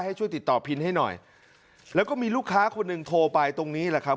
ให้ช่วยติดต่อพินให้หน่อยแล้วก็มีลูกค้าคนหนึ่งโทรไปตรงนี้แหละครับ